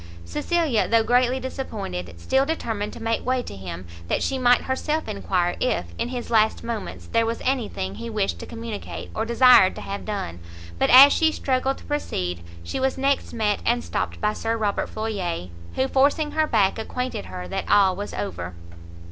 Cecilia, though greatly disappointed, still determined to make way to him, that she might herself enquire if, in his last moments, there was any thing he wished to communicate, or desired to have done; but, as she struggled to proceed, she was next met and stopt by Sir Robert Floyer, who, forcing her back, acquainted her that all was over!